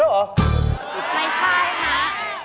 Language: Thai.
ไม่ใช่ค่ะ